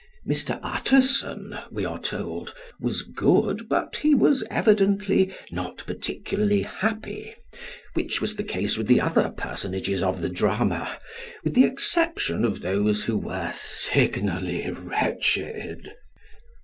Mr. Utterson, we are told, was good but he was evidently not particularly happy, which was the case with the other personages of the drama, with the exception of those who were signally wretched.